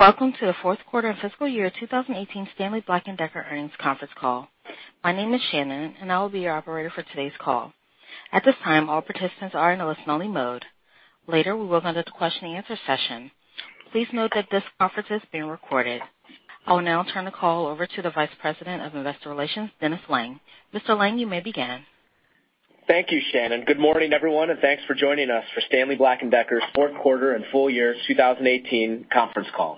Welcome to the fourth quarter and fiscal year 2018 Stanley Black & Decker earnings conference call. My name is Shannon, and I will be your operator for today's call. At this time, all participants are in a listen-only mode. Later, we will conduct the question and answer session. Please note that this conference is being recorded. I will now turn the call over to the Vice President of Investor Relations, Dennis Lange. Mr. Lange, you may begin. Thank you, Shannon. Good morning, everyone, and thanks for joining us for Stanley Black & Decker's fourth quarter and full year 2018 conference call.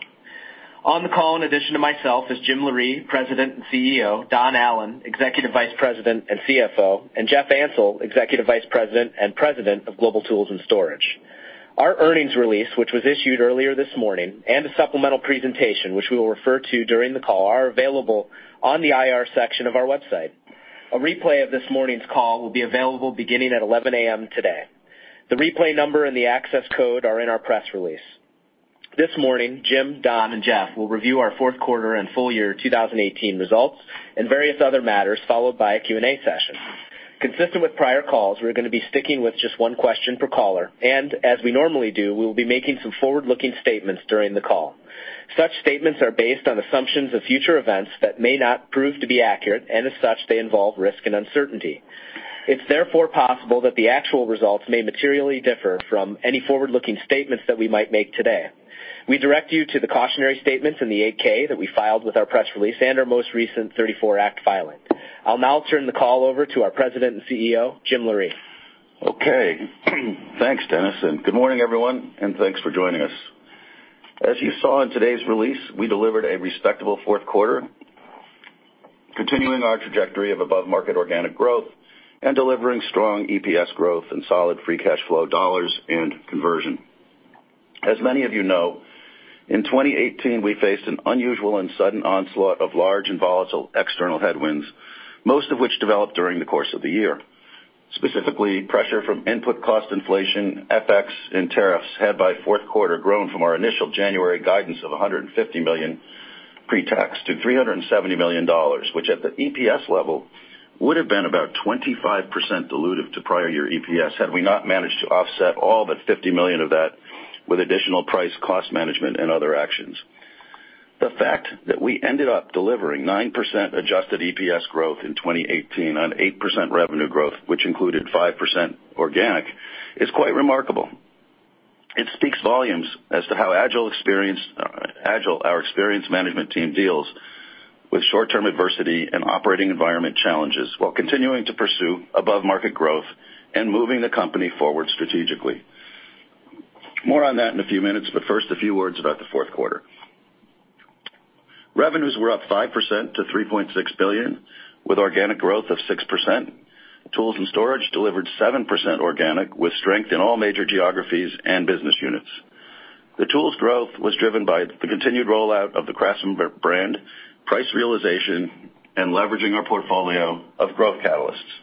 On the call, in addition to myself, is Jim Loree, President and CEO, Don Allan, Executive Vice President and CFO, and Jeff Ansell, Executive Vice President and President of Global Tools and Storage. Our earnings release, which was issued earlier this morning, and a supplemental presentation, which we will refer to during the call, are available on the IR section of our website. A replay of this morning's call will be available beginning at 11:00 A.M. today. The replay number and the access code are in our press release. This morning, Jim, Don, and Jeff will review our fourth quarter and full year 2018 results and various other matters, followed by a Q&A session. Consistent with prior calls, we're going to be sticking with just one question per caller, and as we normally do, we will be making some forward-looking statements during the call. Such statements are based on assumptions of future events that may not prove to be accurate, and as such, they involve risk and uncertainty. It's therefore possible that the actual results may materially differ from any forward-looking statements that we might make today. We direct you to the cautionary statements in the 8-K that we filed with our press release and our most recent 34 Act filing. I'll now turn the call over to our President and CEO, Jim Loree. Okay. Thanks, Dennis, and good morning, everyone, and thanks for joining us. As you saw in today's release, we delivered a respectable fourth quarter, continuing our trajectory of above-market organic growth and delivering strong EPS growth and solid free cash flow dollars and conversion. As many of you know, in 2018, we faced an unusual and sudden onslaught of large and volatile external headwinds, most of which developed during the course of the year. Specifically, pressure from input cost inflation, FX, and tariffs had by fourth quarter grown from our initial January guidance of $150 million pre-tax to $370 million, which at the EPS level, would've been about 25% dilutive to prior year EPS had we not managed to offset all but $50 million of that with additional price cost management and other actions. The fact that we ended up delivering 9% adjusted EPS growth in 2018 on 8% revenue growth, which included 5% organic, is quite remarkable. It speaks volumes as to how agile our experienced management team deals with short-term adversity and operating environment challenges while continuing to pursue above-market growth and moving the company forward strategically. First, a few words about the fourth quarter. Revenues were up 5% to $3.6 billion, with organic growth of 6%. Tools and Storage delivered 7% organic, with strength in all major geographies and business units. The tools growth was driven by the continued rollout of the CRAFTSMAN brand, price realization, and leveraging our portfolio of growth catalysts.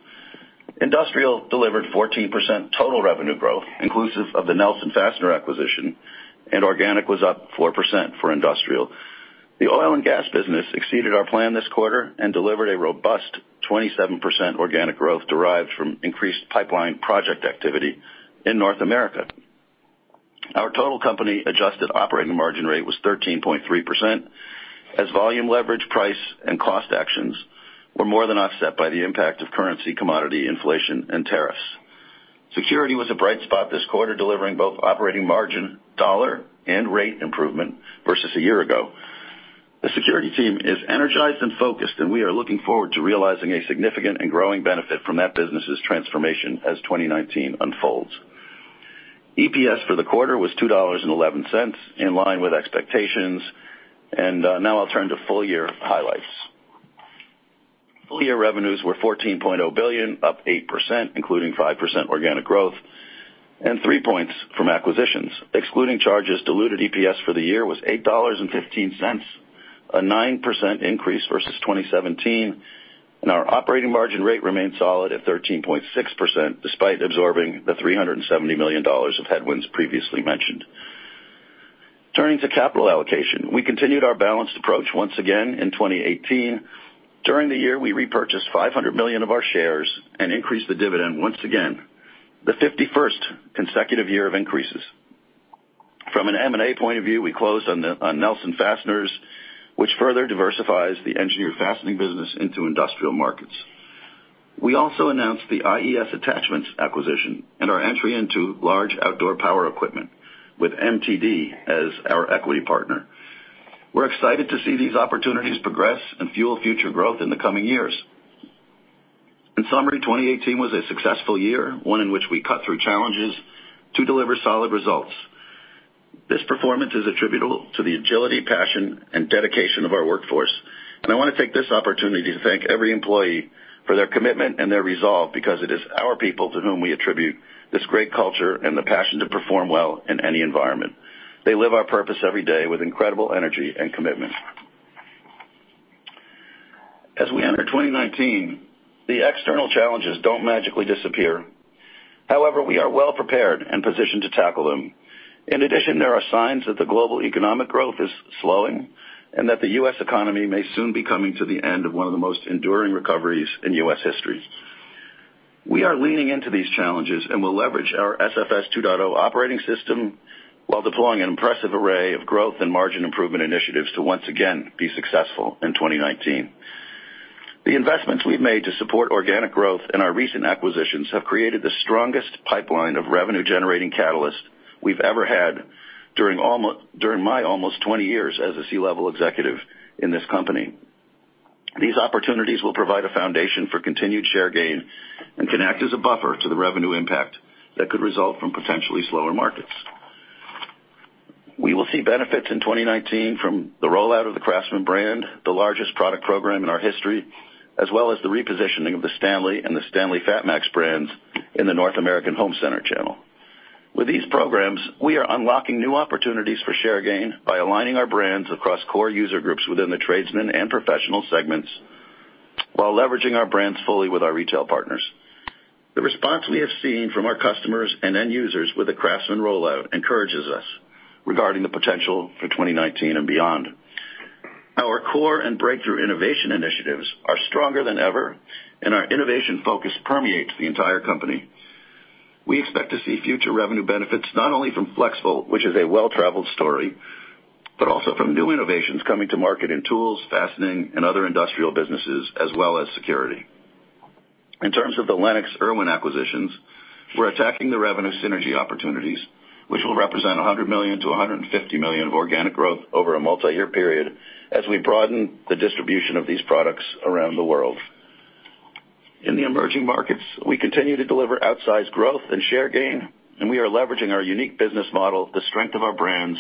Industrial delivered 14% total revenue growth, inclusive of the Nelson Fastener acquisition, and organic was up 4% for Industrial. The oil and gas business exceeded our plan this quarter and delivered a robust 27% organic growth derived from increased pipeline project activity in North America. Our total company adjusted operating margin rate was 13.3%, as volume leverage, price, and cost actions were more than offset by the impact of currency, commodity, inflation, and tariffs. Security was a bright spot this quarter, delivering both operating margin dollar and rate improvement versus a year ago. The Security team is energized and focused, and we are looking forward to realizing a significant and growing benefit from that business' transformation as 2019 unfolds. EPS for the quarter was $2.11, in line with expectations. Now I'll turn to full-year highlights. Full-year revenues were $14.0 billion, up 8%, including 5% organic growth and three points from acquisitions. Excluding charges, diluted EPS for the year was $8.15, a 9% increase versus 2017. Our operating margin rate remained solid at 13.6%, despite absorbing the $370 million of headwinds previously mentioned. Turning to capital allocation, we continued our balanced approach once again in 2018. During the year, we repurchased $500 million of our shares and increased the dividend once again, the 51st consecutive year of increases. From an M&A point of view, we closed on Nelson Fasteners, which further diversifies the engineered fastening business into industrial markets. We also announced the IES Attachments acquisition and our entry into large outdoor power equipment with MTD as our equity partner. We're excited to see these opportunities progress and fuel future growth in the coming years. In summary, 2018 was a successful year, one in which we cut through challenges to deliver solid results. This performance is attributable to the agility, passion, and dedication of our workforce, I want to take this opportunity to thank every employee for their commitment and their resolve because it is our people to whom we attribute this great culture and the passion to perform well in any environment. They live our purpose every day with incredible energy and commitment. As we enter 2019, the external challenges don't magically disappear. However, we are well prepared and positioned to tackle them. In addition, there are signs that the global economic growth is slowing and that the U.S. economy may soon be coming to the end of one of the most enduring recoveries in U.S. history. We are leaning into these challenges, We'll leverage our SFS 2.0 operating system while deploying an impressive array of growth and margin improvement initiatives to once again be successful in 2019. The investments we've made to support organic growth and our recent acquisitions have created the strongest pipeline of revenue-generating catalysts we've ever had during my almost 20 years as a C-level executive in this company. These opportunities will provide a foundation for continued share gain and can act as a buffer to the revenue impact that could result from potentially slower markets. We will see benefits in 2019 from the rollout of the CRAFTSMAN brand, the largest product program in our history, as well as the repositioning of the STANLEY and the STANLEY FATMAX brands in the North American home center channel. With these programs, we are unlocking new opportunities for share gain by aligning our brands across core user groups within the tradesman and professional segments, while leveraging our brands fully with our retail partners. The response we have seen from our customers and end users with the CRAFTSMAN rollout encourages us regarding the potential for 2019 and beyond. Our core and breakthrough innovation initiatives are stronger than ever. Our innovation focus permeates the entire company. We expect to see future revenue benefits not only from FLEXVOLT, which is a well-traveled story, also from new innovations coming to market in tools, fastening, and other industrial businesses, as well as security. In terms of the LENOX IRWIN acquisitions, we're attacking the revenue synergy opportunities, which will represent $100 million-$150 million of organic growth over a multi-year period as we broaden the distribution of these products around the world. In the emerging markets, we continue to deliver outsized growth and share gain. We are leveraging our unique business model, the strength of our brands,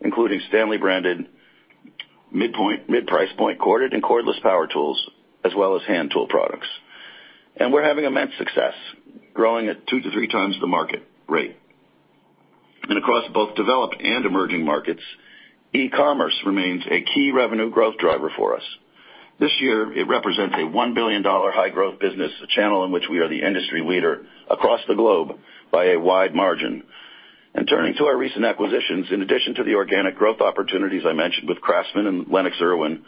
including STANLEY-branded mid-price point, corded, and cordless power tools, as well as hand tool products. We're having immense success growing at two to three times the market rate. Across both developed and emerging markets, e-commerce remains a key revenue growth driver for us. This year, it represents a $1 billion high-growth business, a channel in which we are the industry leader across the globe by a wide margin. Turning to our recent acquisitions, in addition to the organic growth opportunities I mentioned with CRAFTSMAN and LENOX IRWIN,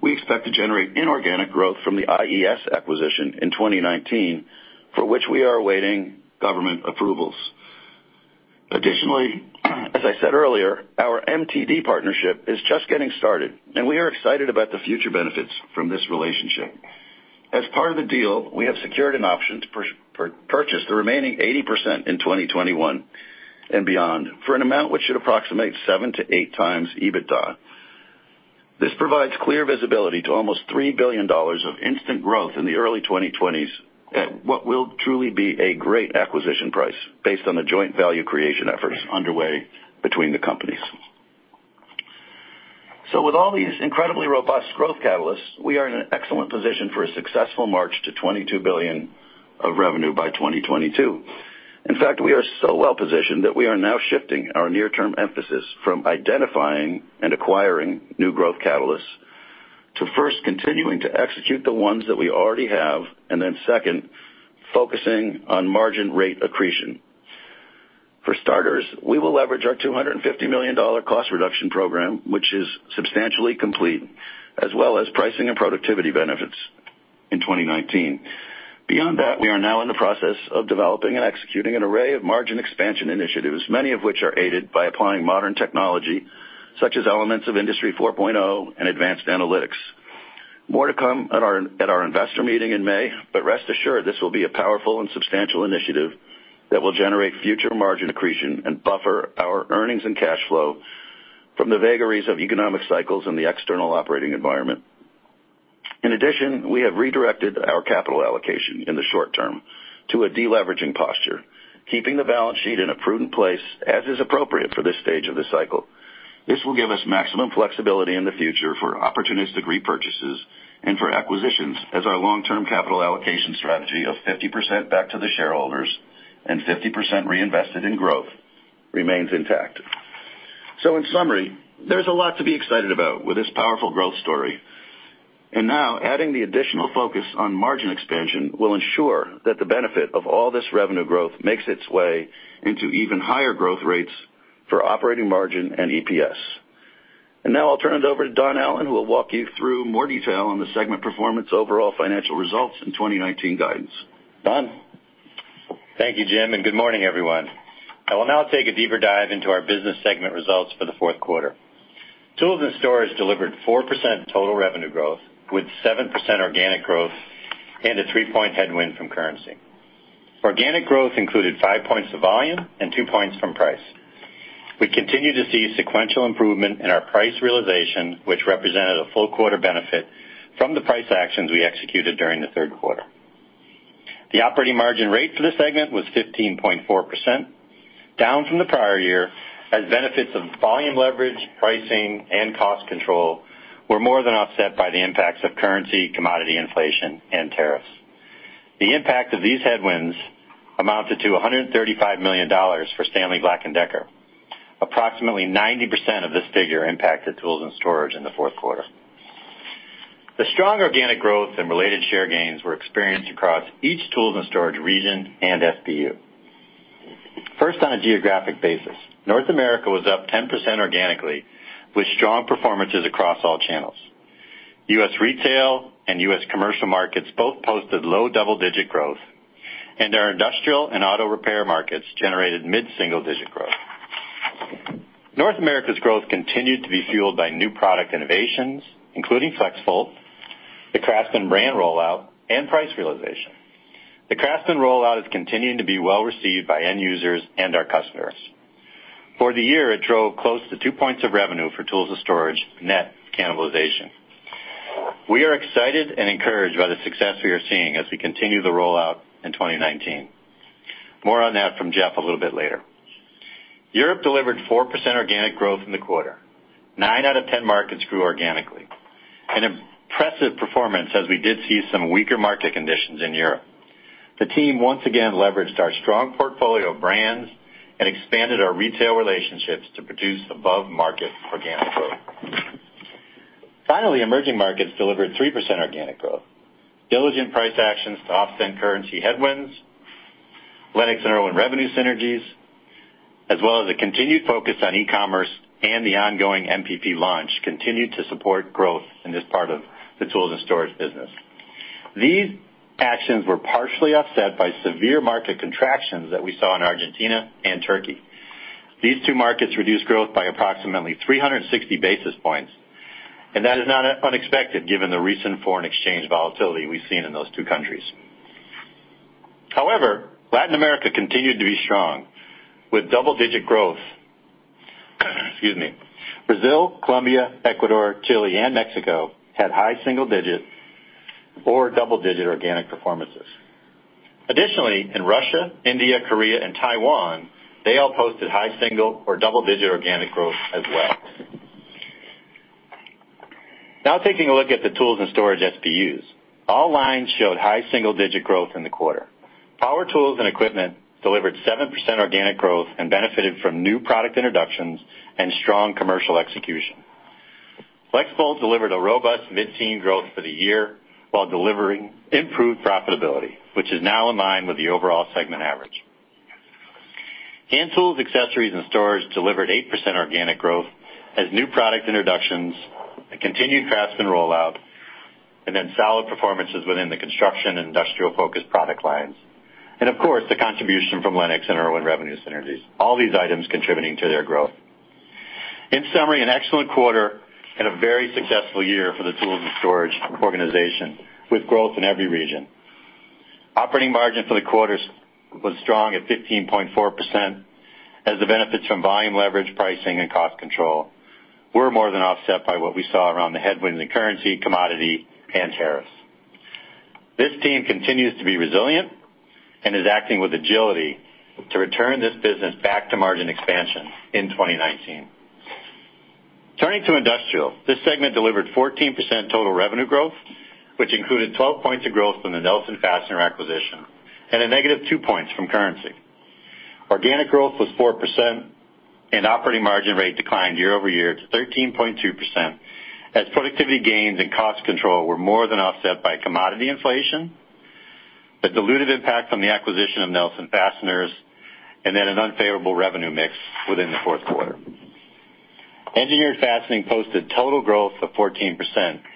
we expect to generate inorganic growth from the IES acquisition in 2019, for which we are awaiting government approvals. Additionally, as I said earlier, our MTD partnership is just getting started. We are excited about the future benefits from this relationship. As part of the deal, we have secured an option to purchase the remaining 80% in 2021 and beyond for an amount which should approximate seven to eight times EBITDA. This provides clear visibility to almost $3 billion of instant growth in the early 2020s at what will truly be a great acquisition price based on the joint value creation efforts underway between the companies. With all these incredibly robust growth catalysts, we are in an excellent position for a successful march to $22 billion of revenue by 2022. In fact, we are so well-positioned that we are now shifting our near-term emphasis from identifying and acquiring new growth catalysts to first continuing to execute the ones that we already have, second, focusing on margin rate accretion. For starters, we will leverage our $250 million cost reduction program, which is substantially complete, as well as pricing and productivity benefits in 2019. Beyond that, we are now in the process of developing and executing an array of margin expansion initiatives, many of which are aided by applying modern technology such as elements of Industry 4.0 and advanced analytics. More to come at our investor meeting in May, rest assured this will be a powerful and substantial initiative that will generate future margin accretion and buffer our earnings and cash flow from the vagaries of economic cycles in the external operating environment. In addition, we have redirected our capital allocation in the short term to a deleveraging posture, keeping the balance sheet in a prudent place, as is appropriate for this stage of the cycle. This will give us maximum flexibility in the future for opportunistic repurchases and for acquisitions as our long-term capital allocation strategy of 50% back to the shareholders and 50% reinvested in growth remains intact. In summary, there's a lot to be excited about with this powerful growth story. Now adding the additional focus on margin expansion will ensure that the benefit of all this revenue growth makes its way into even higher growth rates for operating margin and EPS. Now I'll turn it over to Don Allan, who will walk you through more detail on the segment performance overall financial results in 2019 guidance. Don? Thank you, Jim, good morning, everyone. I will now take a deeper dive into our business segment results for the fourth quarter. Tools and storage delivered 4% total revenue growth with 7% organic growth and a three-point headwind from currency. Organic growth included five points of volume and two points from price. We continue to see sequential improvement in our price realization, which represented a full quarter benefit from the price actions we executed during the third quarter. The operating margin rate for the segment was 15.4%, down from the prior year, as benefits of volume leverage, pricing, and cost control were more than offset by the impacts of currency, commodity inflation, and tariffs. The impact of these headwinds amounted to $135 million for Stanley Black & Decker. Approximately 90% of this figure impacted tools and storage in the fourth quarter. The strong organic growth and related share gains were experienced across each tools and storage region and SBU. First, on a geographic basis. North America was up 10% organically, with strong performances across all channels. U.S. retail and U.S. commercial markets both posted low double-digit growth, and our industrial and auto repair markets generated mid-single digit growth. North America's growth continued to be fueled by new product innovations, including FLEXVOLT, the CRAFTSMAN brand rollout, and price realization. The CRAFTSMAN rollout is continuing to be well-received by end users and our customers. For the year, it drove close to two points of revenue for tools and storage net cannibalization. We are excited and encouraged by the success we are seeing as we continue the rollout in 2019. More on that from Jeff a little bit later. Europe delivered 4% organic growth in the quarter. Nine out of 10 markets grew organically, an impressive performance, as we did see some weaker market conditions in Europe. The team once again leveraged our strong portfolio of brands and expanded our retail relationships to produce above-market organic growth. Finally, emerging markets delivered 3% organic growth. Diligent price actions to offset currency headwinds, LENOX and IRWIN revenue synergies, as well as a continued focus on e-commerce and the ongoing MPP launch continued to support growth in this part of the tools and storage business. These actions were partially offset by severe market contractions that we saw in Argentina and Turkey. These two markets reduced growth by approximately 360 basis points, and that is not unexpected given the recent foreign exchange volatility we've seen in those two countries. However, Latin America continued to be strong, with double-digit growth. Excuse me. Brazil, Colombia, Ecuador, Chile, and Mexico had high single-digit or double-digit organic performances. Additionally, in Russia, India, Korea, and Taiwan, they all posted high single or double-digit organic growth as well. Taking a look at the tools and storage SBUs. All lines showed high single-digit growth in the quarter. Power tools and equipment delivered 7% organic growth and benefited from new product introductions and strong commercial execution. FLEXVOLT delivered a robust mid-teen growth for the year while delivering improved profitability, which is now in line with the overall segment average. Hand tools, accessories, and storage delivered 8% organic growth as new product introductions, a continued CRAFTSMAN rollout, and solid performances within the construction and industrial-focused product lines. Of course, the contribution from LENOX and IRWIN revenue synergies, all these items contributing to their growth. In summary, an excellent quarter and a very successful year for the tools and storage organization, with growth in every region. Operating margin for the quarter was strong at 15.4% as the benefits from volume leverage, pricing, and cost control were more than offset by what we saw around the headwinds in currency, commodity, and tariffs. This team continues to be resilient and is acting with agility to return this business back to margin expansion in 2019. Turning to industrial. This segment delivered 14% total revenue growth, which included 12 points of growth from the Nelson Fastener acquisition and a negative 2 points from currency. Organic growth was 4%, and operating margin rate declined year-over-year to 13.2% as productivity gains and cost control were more than offset by commodity inflation, the dilutive impact from the acquisition of Nelson Fasteners, and an unfavorable revenue mix within the fourth quarter. Engineered fastening posted total growth of 14%,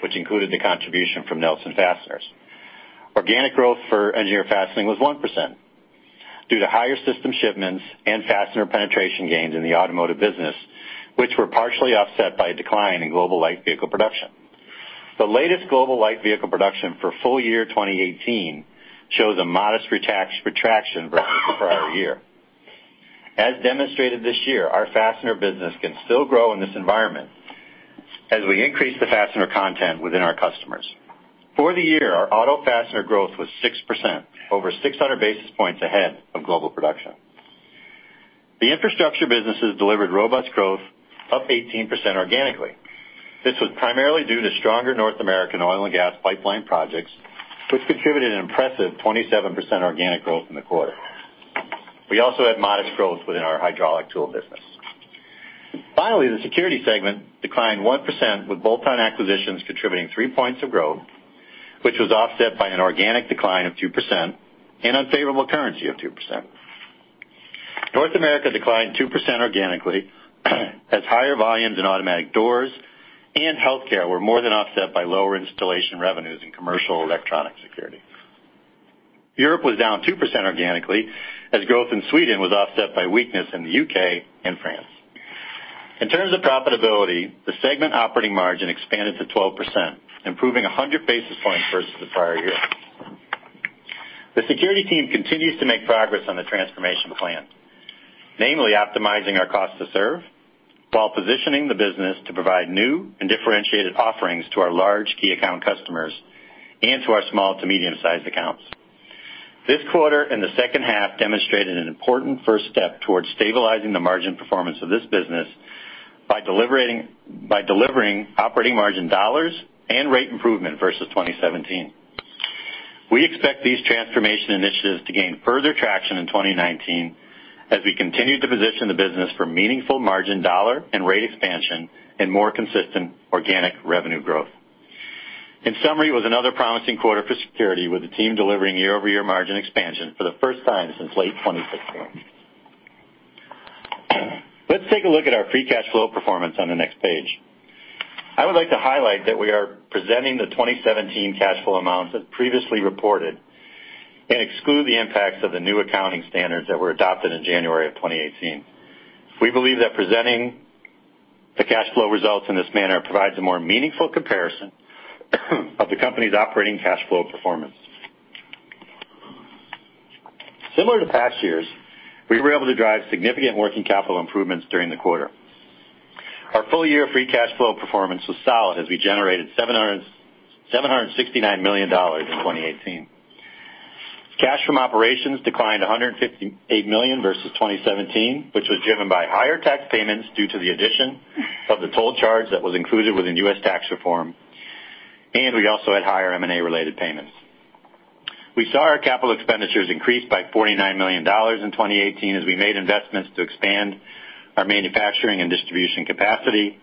which included the contribution from Nelson Fasteners. Organic growth for engineered fastening was 1% due to higher system shipments and fastener penetration gains in the automotive business, which were partially offset by a decline in global light vehicle production. The latest global light vehicle production for full year 2018 shows a modest retraction versus the prior year. As demonstrated this year, our fastener business can still grow in this environment as we increase the fastener content within our customers. For the year, our auto fastener growth was 6%, over 600 basis points ahead of global production. The infrastructure businesses delivered robust growth, up 18% organically. This was primarily due to stronger North American oil and gas pipeline projects, which contributed an impressive 27% organic growth in the quarter. We also had modest growth within our hydraulic tool business. Finally, the security segment declined 1% with bolt-on acquisitions contributing three points of growth, which was offset by an organic decline of 2% and unfavorable currency of 2%. North America declined 2% organically as higher volumes in automatic doors and healthcare were more than offset by lower installation revenues in commercial electronic security. Europe was down 2% organically as growth in Sweden was offset by weakness in the U.K. and France. In terms of profitability, the segment operating margin expanded to 12%, improving 100 basis points versus the prior year. The security team continues to make progress on the transformation plan, namely optimizing our cost to serve while positioning the business to provide new and differentiated offerings to our large key account customers and to our small to medium-sized accounts. This quarter and the second half demonstrated an important first step towards stabilizing the margin performance of this business by delivering operating margin dollars and rate improvement versus 2017. We expect these transformation initiatives to gain further traction in 2019 as we continue to position the business for meaningful margin dollar and rate expansion and more consistent organic revenue growth. It was another promising quarter for security, with the team delivering year-over-year margin expansion for the first time since late 2016. Let's take a look at our free cash flow performance on the next page. I would like to highlight that we are presenting the 2017 cash flow amounts as previously reported and exclude the impacts of the new accounting standards that were adopted in January of 2018. We believe that presenting the cash flow results in this manner provides a more meaningful comparison of the company's operating cash flow performance. Similar to past years, we were able to drive significant working capital improvements during the quarter. Our full-year free cash flow performance was solid as we generated $769 million in 2018. Cash from operations declined to $158 million versus 2017, which was driven by higher tax payments due to the addition of the toll charge that was included within U.S. tax reform, and we also had higher M&A-related payments. We saw our capital expenditures increase by $49 million in 2018 as we made investments to expand our manufacturing and distribution capacity,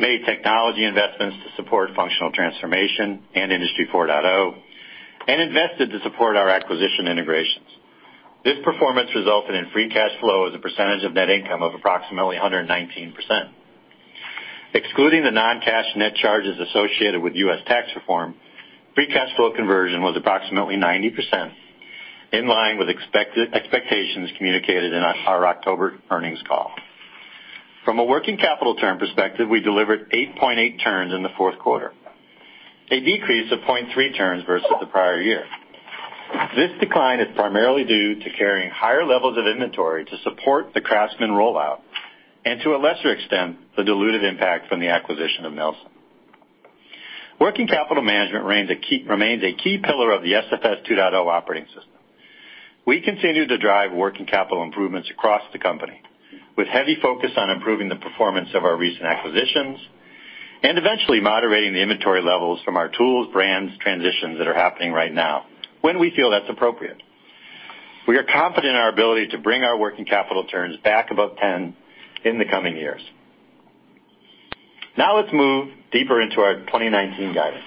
made technology investments to support functional transformation and Industry 4.0, and invested to support our acquisition integrations. This performance resulted in free cash flow as a percentage of net income of approximately 119%. Excluding the non-cash net charges associated with U.S. tax reform, free cash flow conversion was approximately 90%, in line with expectations communicated in our October earnings call. From a working capital term perspective, we delivered 8.8 turns in the fourth quarter, a decrease of 0.3 turns versus the prior year. This decline is primarily due to carrying higher levels of inventory to support the CRAFTSMAN rollout, and to a lesser extent, the dilutive impact from the acquisition of Nelson. Working capital management remains a key pillar of the SFS 2.0 operating system. We continue to drive working capital improvements across the company with heavy focus on improving the performance of our recent acquisitions and eventually moderating the inventory levels from our tools brands transitions that are happening right now when we feel that's appropriate. We are confident in our ability to bring our working capital turns back above 10 in the coming years. Let's move deeper into our 2019 guidance.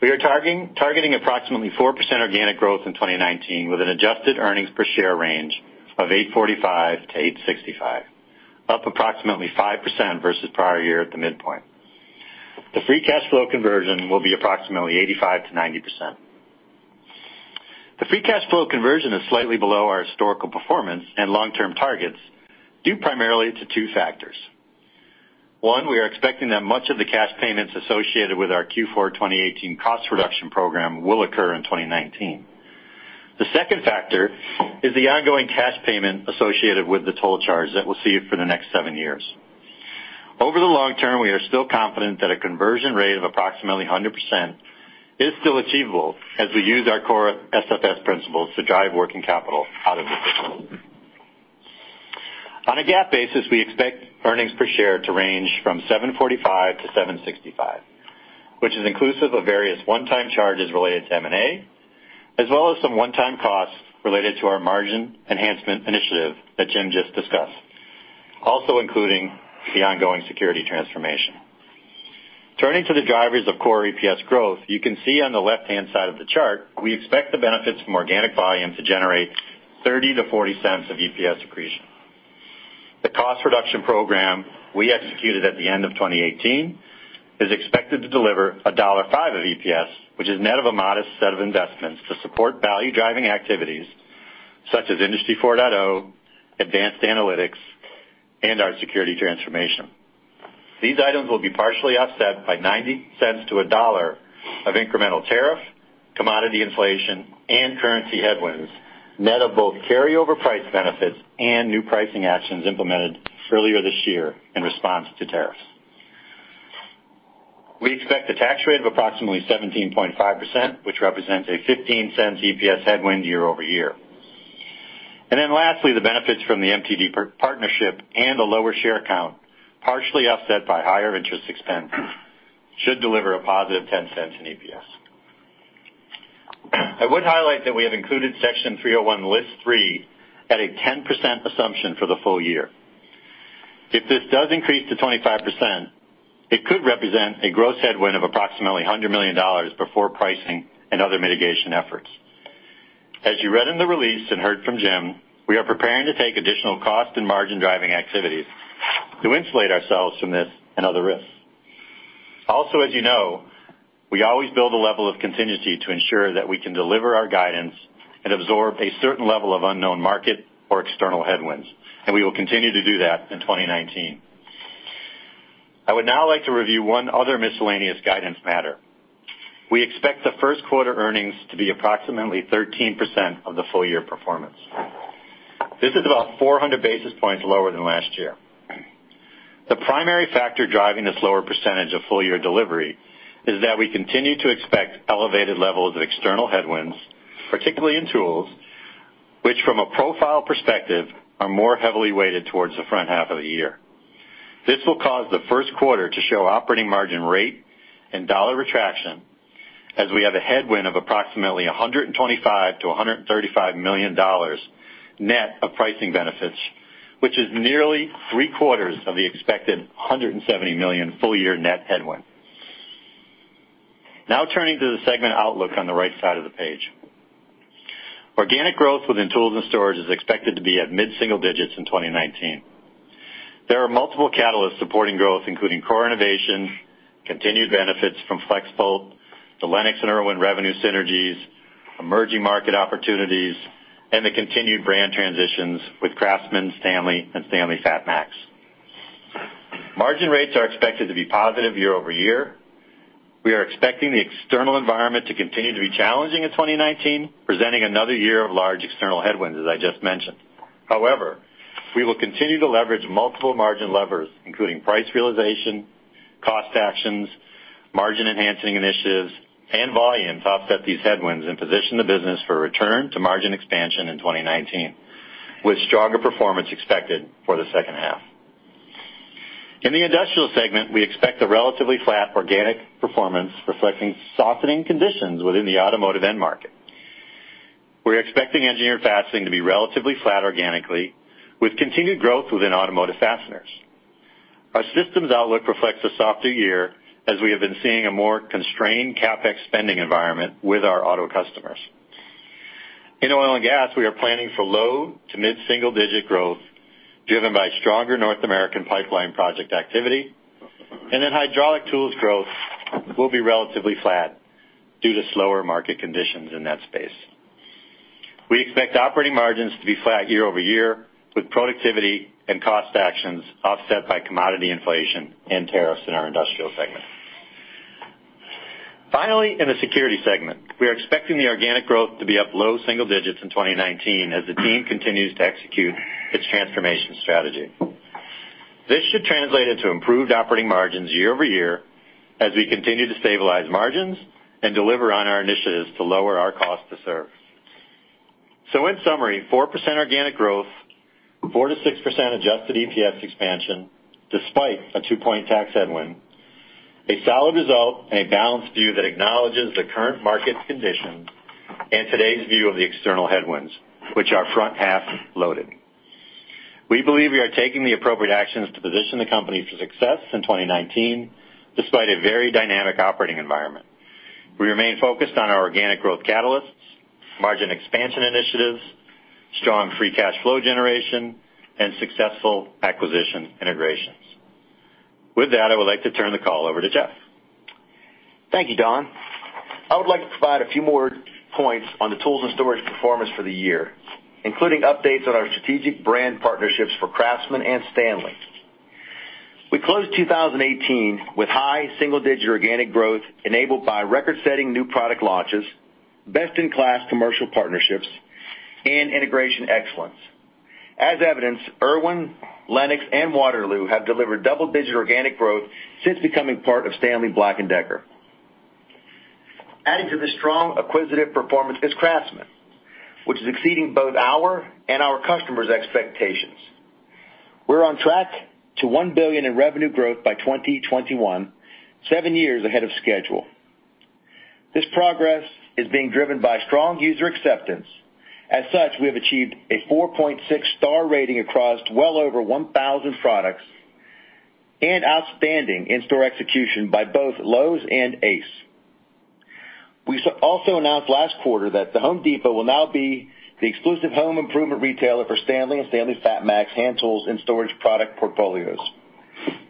We are targeting approximately 4% organic growth in 2019 with an adjusted earnings per share range of $8.45-$8.65, up approximately 5% versus the prior year at the midpoint. The free cash flow conversion will be approximately 85%-90%. The free cash flow conversion is slightly below our historical performance and long-term targets, due primarily to two factors. One, we are expecting that much of the cash payments associated with our Q4 2018 cost reduction program will occur in 2019. The second factor is the ongoing cash payment associated with the toll charge that we'll see for the next seven years. Over the long term, we are still confident that a conversion rate of approximately 100% is still achievable as we use our core SFS principles to drive working capital out of the business. On a GAAP basis, we expect earnings per share to range from $7.45-$7.65, which is inclusive of various one-time charges related to M&A, as well as some one-time costs related to our margin enhancement initiative that Jim just discussed, also including the ongoing security transformation. Turning to the drivers of core EPS growth, you can see on the left-hand side of the chart, we expect the benefits from organic volume to generate $0.30-$0.40 of EPS accretion. The cost reduction program we executed at the end of 2018 is expected to deliver $1.05 of EPS, which is net of a modest set of investments to support value-driving activities such as Industry 4.0, advanced analytics, and our security transformation. These items will be partially offset by $0.90-$1.00 of incremental tariff, commodity inflation, and currency headwinds, net of both carryover price benefits and new pricing actions implemented earlier this year in response to tariffs. We expect a tax rate of approximately 17.5%, which represents a $0.15 EPS headwind year-over-year. Lastly, the benefits from the MTD partnership and a lower share count, partially offset by higher interest expense, should deliver a positive $0.10 in EPS. I would highlight that we have included Section 301 List 3 at a 10% assumption for the full year. If this does increase to 25%, it could represent a gross headwind of approximately $100 million before pricing and other mitigation efforts. As you read in the release and heard from Jim, we are preparing to take additional cost and margin-driving activities to insulate ourselves from this and other risks. As you know, we always build a level of contingency to ensure that we can deliver our guidance and absorb a certain level of unknown market or external headwinds, and we will continue to do that in 2019. I would now like to review one other miscellaneous guidance matter. We expect the first quarter earnings to be approximately 13% of the full-year performance. This is about 400 basis points lower than last year. The primary factor driving this lower percentage of full-year delivery is that we continue to expect elevated levels of external headwinds, particularly in tools, which from a profile perspective, are more heavily weighted towards the front half of the year. This will cause the first quarter to show operating margin rate and dollar retraction. As we have a headwind of approximately $125 million-$135 million net of pricing benefits, which is nearly three-quarters of the expected $170 million full-year net headwind. Turning to the segment outlook on the right side of the page. Organic growth within tools and storage is expected to be at mid-single digits in 2019. There are multiple catalysts supporting growth, including core innovation, continued benefits from FLEXVOLT, the LENOX and IRWIN revenue synergies, emerging market opportunities, and the continued brand transitions with CRAFTSMAN, STANLEY, and STANLEY FATMAX. Margin rates are expected to be positive year-over-year. We are expecting the external environment to continue to be challenging in 2019, presenting another year of large external headwinds, as I just mentioned. We will continue to leverage multiple margin levers, including price realization, cost actions, margin enhancing initiatives, and volumes to offset these headwinds and position the business for a return to margin expansion in 2019, with stronger performance expected for the second half. In the industrial segment, we expect a relatively flat organic performance, reflecting softening conditions within the automotive end market. We are expecting engineered fastening to be relatively flat organically, with continued growth within automotive fasteners. Our systems outlook reflects a softer year as we have been seeing a more constrained CapEx spending environment with our auto customers. In oil and gas, we are planning for low to mid-single digit growth, driven by stronger North American pipeline project activity. Hydraulic tools growth will be relatively flat due to slower market conditions in that space. We expect operating margins to be flat year-over-year, with productivity and cost actions offset by commodity inflation and tariffs in our industrial segment. In the security segment, we are expecting the organic growth to be up low single digits in 2019 as the team continues to execute its transformation strategy. This should translate into improved operating margins year-over-year as we continue to stabilize margins and deliver on our initiatives to lower our cost to serve. In summary, 4% organic growth, 4%-6% adjusted EPS expansion, despite a two-point tax headwind, a solid result and a balanced view that acknowledges the current market conditions and today's view of the external headwinds, which are front-half loaded. We believe we are taking the appropriate actions to position the company for success in 2019, despite a very dynamic operating environment. We remain focused on our organic growth catalysts, margin expansion initiatives, strong free cash flow generation, and successful acquisition integrations. With that, I would like to turn the call over to Jeff. Thank you, Don. I would like to provide a few more points on the tools and storage performance for the year, including updates on our strategic brand partnerships for CRAFTSMAN and STANLEY. We closed 2018 with high single-digit organic growth enabled by record-setting new product launches, best-in-class commercial partnerships, and integration excellence. As evidenced, IRWIN, LENOX, and Waterloo have delivered double-digit organic growth since becoming part of Stanley Black & Decker. Adding to the strong acquisitive performance is CRAFTSMAN, which is exceeding both our and our customers' expectations. We're on track to $1 billion in revenue growth by 2021, seven years ahead of schedule. This progress is being driven by strong user acceptance. As such, we have achieved a 4.6-star rating across well over 1,000 products and outstanding in-store execution by both Lowe's and Ace. We also announced last quarter that The Home Depot will now be the exclusive home improvement retailer for STANLEY and STANLEY FATMAX hand tools and storage product portfolios,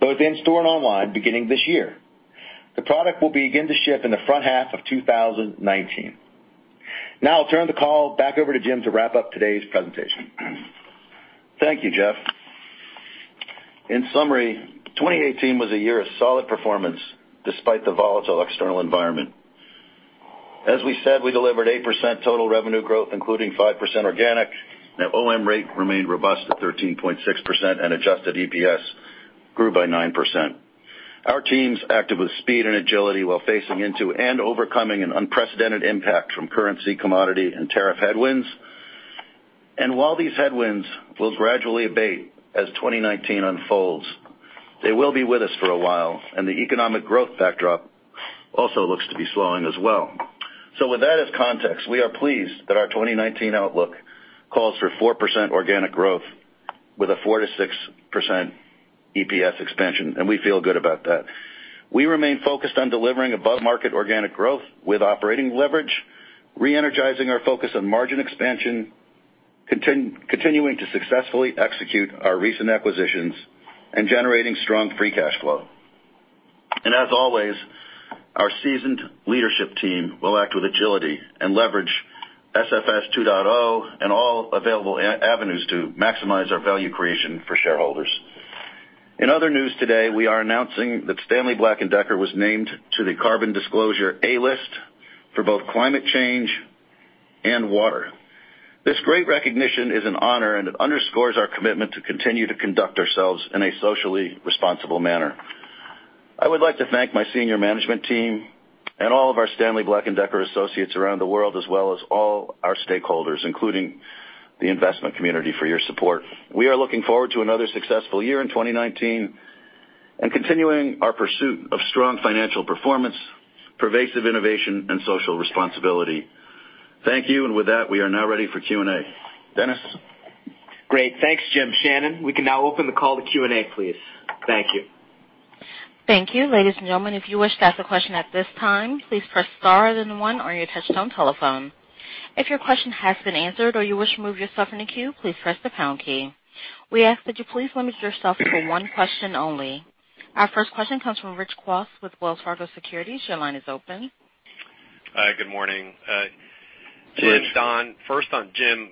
both in store and online, beginning this year. The product will begin to ship in the front half of 2019. I'll turn the call back over to Jim to wrap up today's presentation. Thank you, Jeff. In summary, 2018 was a year of solid performance despite the volatile external environment. As we said, we delivered 8% total revenue growth, including 5% organic. Net OM rate remained robust at 13.6%, and adjusted EPS grew by 9%. Our teams acted with speed and agility while facing into and overcoming an unprecedented impact from currency, commodity, and tariff headwinds. While these headwinds will gradually abate as 2019 unfolds, they will be with us for a while, and the economic growth backdrop also looks to be slowing as well. With that as context, we are pleased that our 2019 outlook calls for 4% organic growth with a 4%-6% EPS expansion, and we feel good about that. We remain focused on delivering above-market organic growth with operating leverage, re-energizing our focus on margin expansion, continuing to successfully execute our recent acquisitions, and generating strong free cash flow. As always, our seasoned leadership team will act with agility and leverage SFS 2.0 and all available avenues to maximize our value creation for shareholders. In other news today, we are announcing that Stanley Black & Decker was named to the Carbon Disclosure A List for both climate change and water. This great recognition is an honor, and it underscores our commitment to continue to conduct ourselves in a socially responsible manner. I would like to thank my senior management team and all of our Stanley Black & Decker associates around the world, as well as all our stakeholders, including the investment community, for your support. We are looking forward to another successful year in 2019. Continuing our pursuit of strong financial performance, pervasive innovation, and social responsibility. Thank you, and with that, we are now ready for Q&A. Dennis? Great. Thanks, Jim. Shannon, we can now open the call to Q&A, please. Thank you. Thank you. Ladies and gentlemen, if you wish to ask a question at this time, please press star, then one on your touchtone telephone. If your question has been answered or you wish to remove yourself from the queue, please press the pound key. We ask that you please limit yourself to one question only. Our first question comes from Rich Kwas with Wells Fargo Securities. Your line is open. Hi, good morning. Rich. Jim, Don. First on Jim.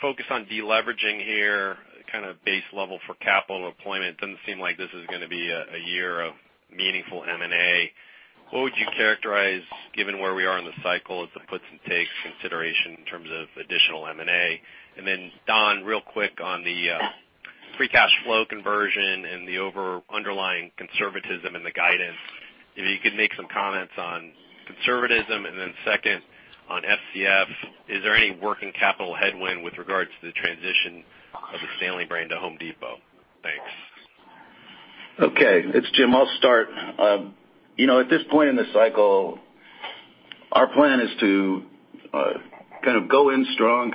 Focus on deleveraging here, kind of base level for capital deployment. Doesn't seem like this is going to be a year of meaningful M&A. What would you characterize, given where we are in the cycle, as the puts-and-takes consideration in terms of additional M&A? Then Don, real quick on the free cash flow conversion and the underlying conservatism in the guidance. If you could make some comments on conservatism, then second on FCF. Is there any working capital headwind with regards to the transition of the STANLEY brand to The Home Depot? Thanks. Okay. It's Jim. I'll start. At this point in the cycle, our plan is to kind of go in strong,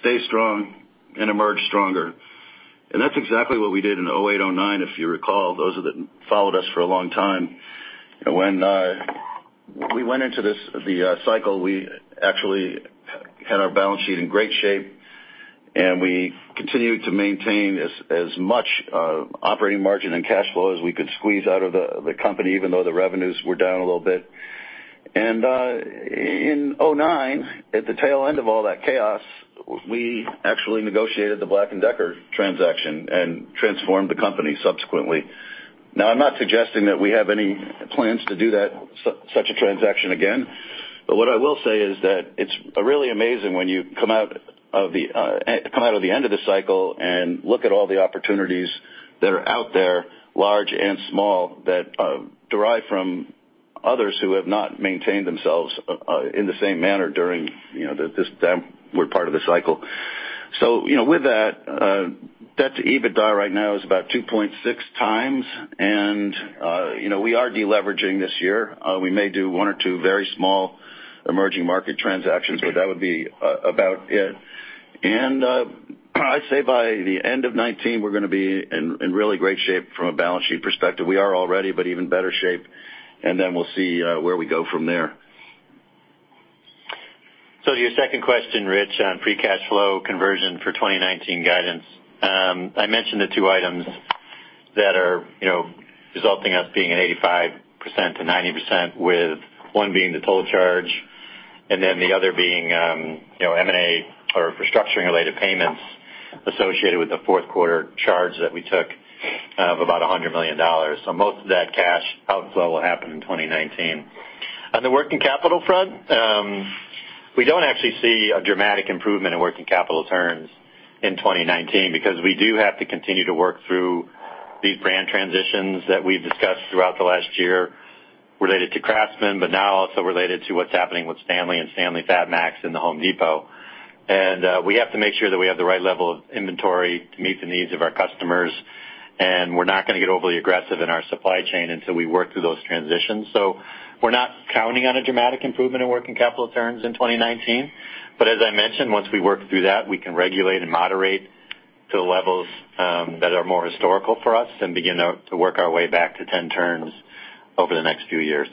stay strong, and emerge stronger. That's exactly what we did in 2008, 2009, if you recall. Those that followed us for a long time. When we went into the cycle, we actually had our balance sheet in great shape, and we continued to maintain as much operating margin and cash flow as we could squeeze out of the company, even though the revenues were down a little bit. In 2009, at the tail end of all that chaos, we actually negotiated the Black & Decker transaction and transformed the company subsequently. I'm not suggesting that we have any plans to do such a transaction again. What I will say is that it's really amazing when you come out of the end of the cycle and look at all the opportunities that are out there, large and small, that derive from others who have not maintained themselves in the same manner during that part of the cycle. With that, debt to EBITDA right now is about 2.6 times. We are deleveraging this year. We may do one or two very small emerging market transactions, but that would be about it. I'd say by the end of 2019, we're going to be in really great shape from a balance sheet perspective. We are already, but even better shape. Then we'll see where we go from there. Your second question, Rich, on free cash flow conversion for 2019 guidance. I mentioned the two items that are resulting us being at 85%-90%, with one being the toll charge, then the other being M&A or restructuring related payments associated with the fourth quarter charge that we took of about $100 million. Most of that cash outflow will happen in 2019. On the working capital front, we don't actually see a dramatic improvement in working capital turns in 2019, because we do have to continue to work through these brand transitions that we've discussed throughout the last year related to CRAFTSMAN, but now also related to what's happening with STANLEY and STANLEY FATMAX and The Home Depot. Thanks. We're not going to get overly aggressive in our supply chain until we work through those transitions. We're not counting on a dramatic improvement in working capital turns in 2019. As I mentioned, once we work through that, we can regulate and moderate to levels that are more historical for us and begin to work our way back to 10 turns over the next few years.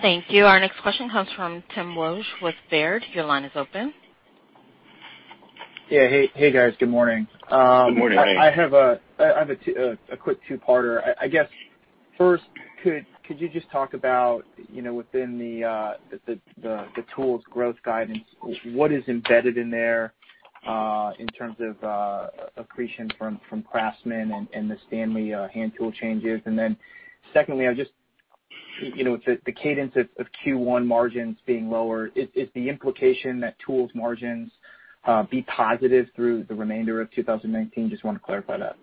Thank you. Our next question comes from Tim Wojs with Baird. Your line is open. Yeah. Hey, guys. Good morning. Good morning. I have a quick two-parter. I guess first, could you just talk about within the tools growth guidance, what is embedded in there in terms of accretion from CRAFTSMAN and the STANLEY hand tool changes? Secondly, the cadence of Q1 margins being lower, is the implication that tools margins be positive through the remainder of 2019? Just want to clarify that.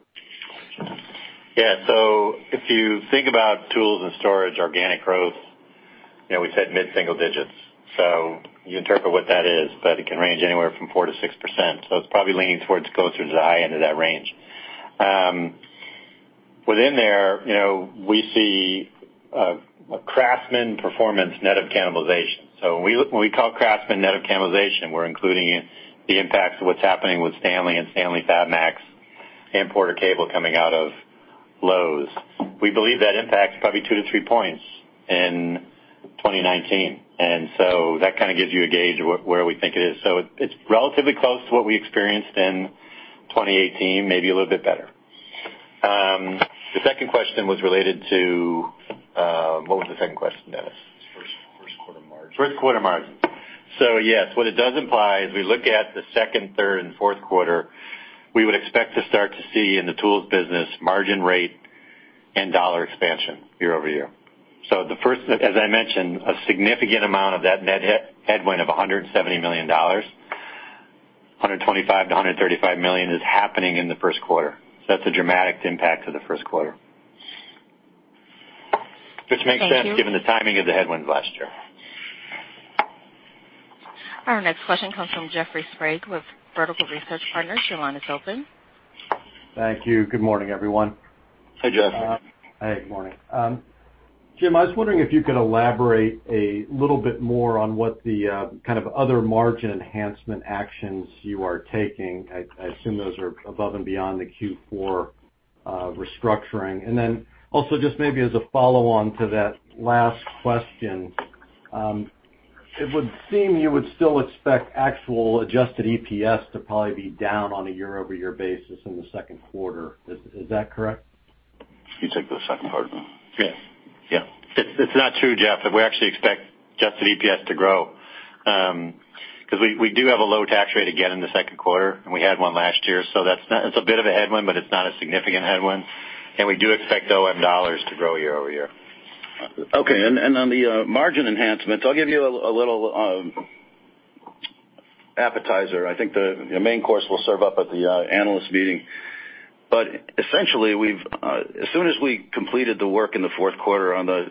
Yeah. If you think about tools and storage organic growth, we said mid-single digits. You interpret what that is, but it can range anywhere from 4%-6%. It's probably leaning towards closer to the high end of that range. Within there, we see a CRAFTSMAN performance net of cannibalization. When we call CRAFTSMAN net of cannibalization, we're including the impacts of what's happening with STANLEY and STANLEY FATMAX and PORTER-CABLE coming out of Lowe's. We believe that impacts probably 2-3 points in 2019, that kind of gives you a gauge of where we think it is. It's relatively close to what we experienced in 2018, maybe a little bit better. The second question was What was the second question, Dennis? First quarter margin. First quarter margin. Yes, what it does imply is we look at the second, third, and fourth quarter, we would expect to start to see in the tools business margin rate and dollar expansion year-over-year. As I mentioned, a significant amount of that net headwind of $170 million, $125 million-$135 million is happening in the first quarter. That's a dramatic impact to the first quarter. Which makes sense. Thank you. given the timing of the headwinds last year. Our next question comes from Jeffrey Sprague with Vertical Research Partners. Your line is open. Thank you. Good morning, everyone. Hi, Jeff. Hey, good morning. Jim, I was wondering if you could elaborate a little bit more on what the kind of other margin enhancement actions you are taking. I assume those are above and beyond the Q4 restructuring. Also just maybe as a follow-on to that last question, it would seem you would still expect actual adjusted EPS to probably be down on a year-over-year basis in the second quarter. Is that correct? You take the second part. Yes. Yeah. It's not true, Jeff. We actually expect adjusted EPS to grow, because we do have a low tax rate again in the second quarter, and we had one last year. That's a bit of a headwind, but it's not a significant headwind. We do expect OM dollars to grow year-over-year. Okay, on the margin enhancements, I'll give you a little appetizer. I think the main course will serve up at the analyst meeting. Essentially, as soon as we completed the work in the fourth quarter on the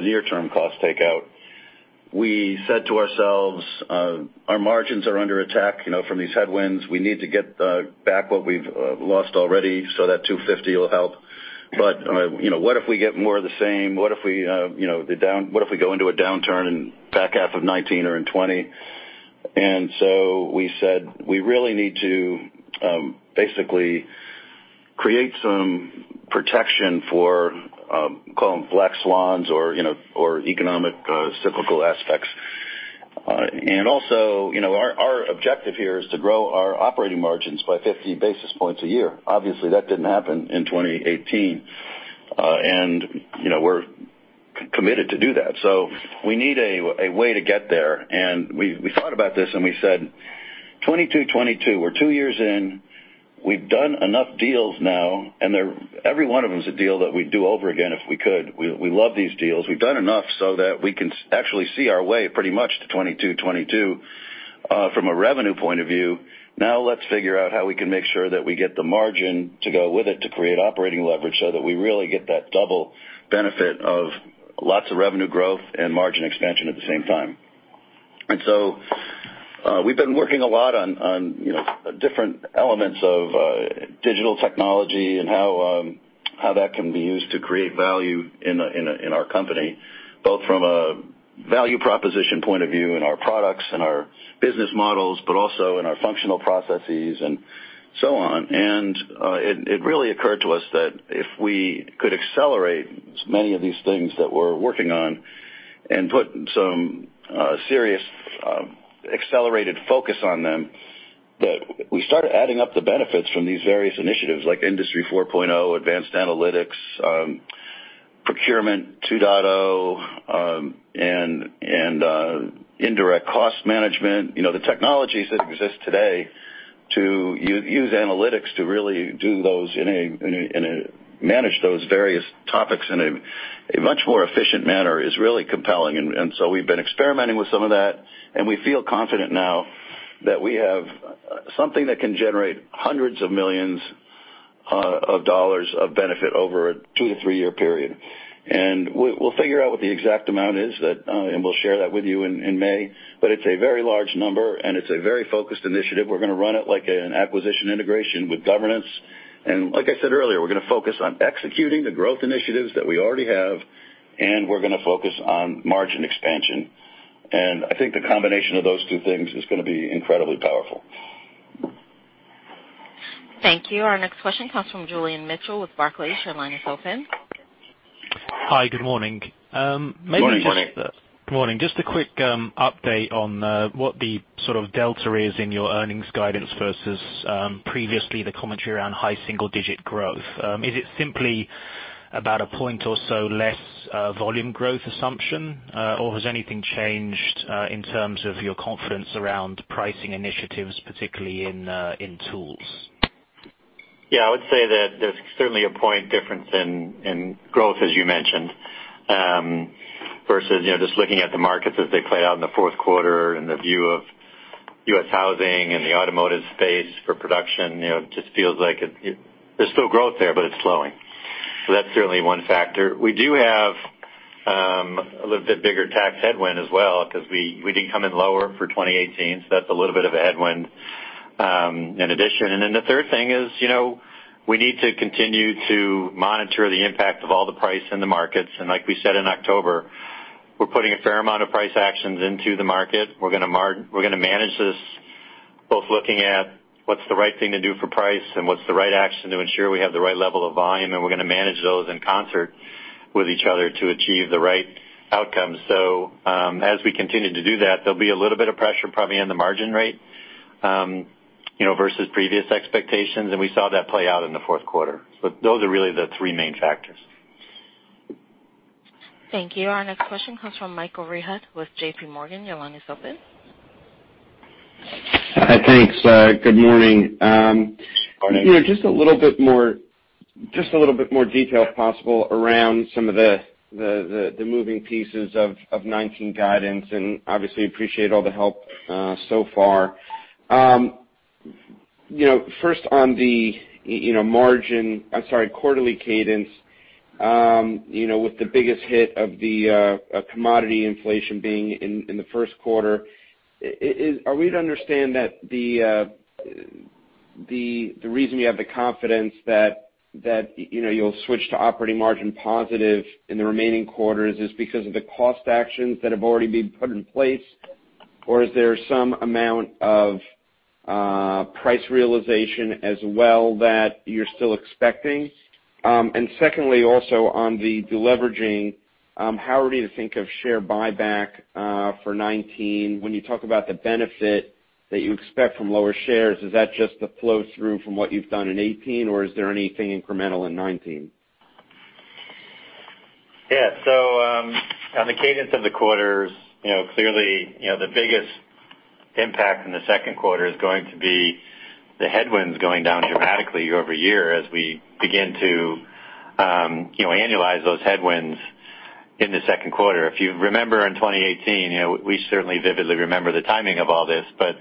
near-term cost takeout, we said to ourselves, our margins are under attack from these headwinds. We need to get back what we've lost already, so that 250 will help. What if we get more of the same? What if we go into a downturn in back half of 2019 or in 2020? We said we really need to basically create some protection for call them black swans or economic cyclical aspects. Also, our objective here is to grow our operating margins by 50 basis points a year. Obviously, that didn't happen in 2018. We're committed to do that. We need a way to get there. We thought about this and we said, "2022. We're two years in. We've done enough deals now, every one of them is a deal that we'd do over again if we could. We love these deals. We've done enough so that we can actually see our way pretty much to 2022 from a revenue point of view. Now let's figure out how we can make sure that we get the margin to go with it to create operating leverage so that we really get that double benefit of lots of revenue growth and margin expansion at the same time." We've been working a lot on different elements of digital technology and how that can be used to create value in our company, both from a value proposition point of view in our products and our business models, but also in our functional processes and so on. It really occurred to us that if we could accelerate many of these things that we're working on and put some serious accelerated focus on them, that we started adding up the benefits from these various initiatives like Industry 4.0, advanced analytics, Procurement 2.0, and indirect cost management. The technologies that exist today to use analytics to really manage those various topics in a much more efficient manner is really compelling. We've been experimenting with some of that, and we feel confident now that we have something that can generate hundreds of millions of dollars of benefit over a two to three-year period. We'll figure out what the exact amount is, and we'll share that with you in May. It's a very large number, and it's a very focused initiative. We're going to run it like an acquisition integration with governance. Like I said earlier, we're going to focus on executing the growth initiatives that we already have, and we're going to focus on margin expansion. I think the combination of those two things is going to be incredibly powerful. Thank you. Our next question comes from Julian Mitchell with Barclays. Your line is open. Hi, good morning. Good morning. Good morning. Just a quick update on what the sort of delta is in your earnings guidance versus previously the commentary around high single-digit growth. Is it simply about a point or so less volume growth assumption? Or has anything changed in terms of your confidence around pricing initiatives, particularly in tools? Yeah, I would say that there's certainly a point difference in growth, as you mentioned, versus just looking at the markets as they play out in the fourth quarter and the view of U.S. housing and the automotive space for production. It just feels like there's still growth there, but it's slowing. That's certainly one factor. We do have a little bit bigger tax headwind as well because we did come in lower for 2018, so that's a little bit of a headwind in addition. The third thing is we need to continue to monitor the impact of all the price in the markets. Like we said in October, we're putting a fair amount of price actions into the market. We're going to manage this both looking at what's the right thing to do for price and what's the right action to ensure we have the right level of volume, and we're going to manage those in concert with each other to achieve the right outcomes. As we continue to do that, there'll be a little bit of pressure probably on the margin rate versus previous expectations, and we saw that play out in the fourth quarter. Those are really the three main factors. Thank you. Our next question comes from Michael Rehaut with JPMorgan. Your line is open. Thanks. Good morning. Morning. Just a little bit more detail if possible around some of the moving pieces of 2019 guidance, and obviously, appreciate all the help so far. On the margin, I'm sorry, quarterly cadence, with the biggest hit of the commodity inflation being in the first quarter, are we to understand that the reason you have the confidence that you'll switch to operating margin positive in the remaining quarters is because of the cost actions that have already been put in place? Or is there some amount of price realization as well that you're still expecting? Secondly, also on the de-leveraging, how are we to think of share buyback for 2019? When you talk about the benefit that you expect from lower shares, is that just the flow-through from what you've done in 2018, or is there anything incremental in 2019? On the cadence of the quarters, clearly, the biggest impact in the second quarter is going to be the headwinds going down dramatically year-over-year as we begin to annualize those headwinds in the second quarter. If you remember in 2018, we certainly vividly remember the timing of all this, but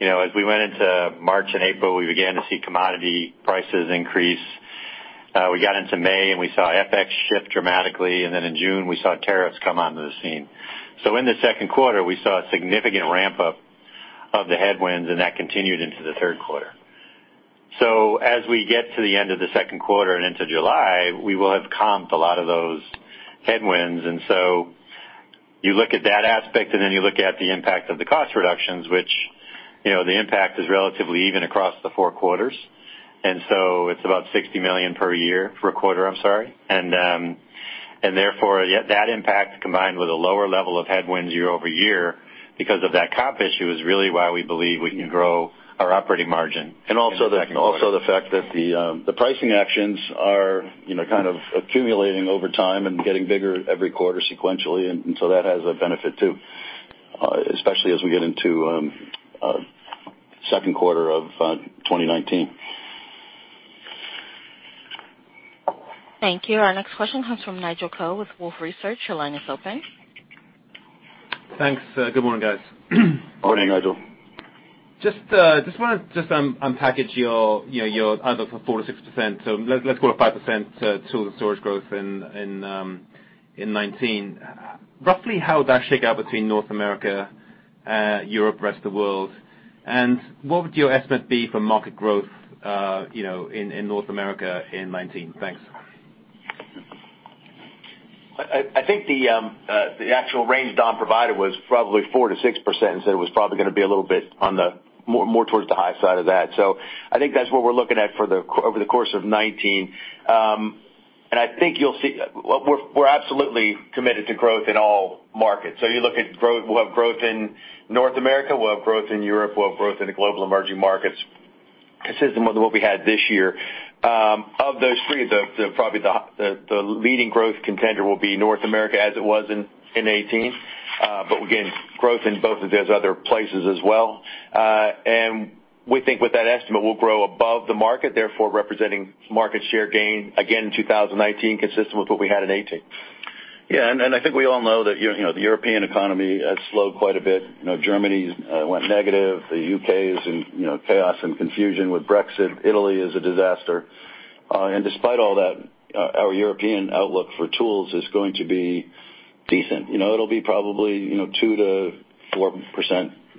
as we went into March and April, we began to see commodity prices increase. We got into May, and we saw FX shift dramatically, and then in June, we saw tariffs come onto the scene. In the second quarter, we saw a significant ramp-up of the headwinds, and that continued into the third quarter. As we get to the end of the second quarter and into July, we will have comped a lot of those headwinds. You look at that aspect, and then you look at the impact of the cost reductions, which the impact is relatively even across the four quarters. It's about $60 million per quarter. Therefore, that impact, combined with a lower level of headwinds year-over-year because of that comp issue, is really why we believe we can grow our operating margin in the second quarter. Also the fact that the pricing actions are accumulating over time and getting bigger every quarter sequentially. That has a benefit, too, especially as we get into second quarter of 2019. Thank you. Our next question comes from Nigel Coe with Wolfe Research. Your line is open. Thanks. Good morning, guys. Morning, Nigel. Just want to unpackage your outlook for 4%-6%, so let's go with 5% tools and storage growth in 2019. Roughly how would that shake out between North America, Europe, rest of the world? What would your estimate be for market growth in North America in 2019? Thanks. I think the actual range Don provided was probably 4%-6% and said it was probably going to be a little bit more towards the high side of that. I think that's what we're looking at over the course of 2019. I think we're absolutely committed to growth in all markets. You look at growth, we'll have growth in North America, we'll have growth in Europe, we'll have growth in the global emerging markets, consistent with what we had this year. Of those three, probably the leading growth contender will be North America as it was in 2018. Again, growth in both of those other places as well. We think with that estimate, we'll grow above the market, therefore representing market share gain again in 2019, consistent with what we had in 2018. Yeah, I think we all know that the European economy has slowed quite a bit. Germany went negative. The U.K. is in chaos and confusion with Brexit. Italy is a disaster. Despite all that, our European outlook for tools is going to be decent. It'll be probably 2%-4%